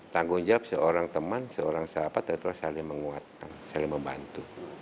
tanggung jawab seorang teman seorang sahabat adalah saling menguatkan saling membantu